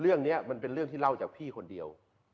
เรื่องนี้มันเป็นเรื่องที่เล่าจากพี่คนเดียว